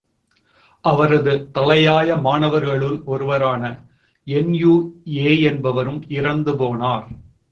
அவரது தலையாய மாணவர்களுள் ஒருவரான யென்யு யேய் என்பவரும் இறந்துபோனார்.